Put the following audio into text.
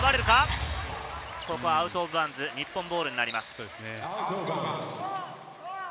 ここはアウトオブバウンズ、日本ボールになります。